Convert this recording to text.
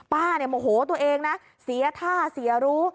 ป้าเนี่ยโมโหตัวเองนะเสียท่าเสียรู้